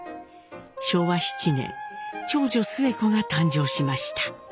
昭和７年長女スエ子が誕生しました。